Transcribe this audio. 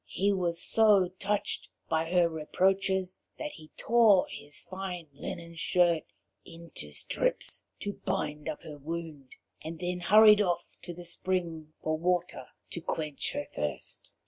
He was so touched by her reproaches that he tore his fine linen shirt into strips to bind up her wound, and then hurried off to the spring for water to quench her thirst.